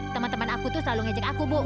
teman teman aku selalu mengejekku